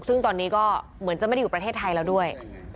ซึ่งตอนนี้ก็เหมือนจะไม่ได้อยู่ประเทศไทยแล้วด้วย